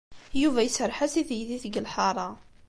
Yuba iserreḥ-as i teydit deg lḥaṛa.